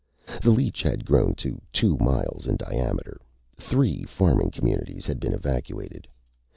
The leech had grown to two miles in diameter. Three farming communities had been evacuated.